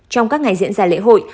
trong các ngày diễn ra lễ hội